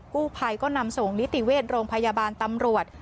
กู้ภัยก็นำส่งนิติเวชโรงพยาบาลตำรวจ